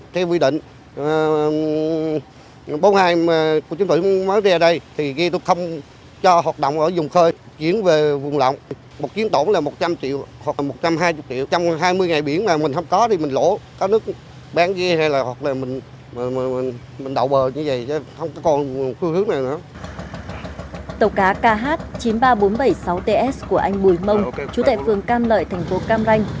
tàu cá kh chín mươi ba nghìn bốn trăm bảy mươi sáu ts của anh mùi mông chú tại phường cam lợi thành phố cam ranh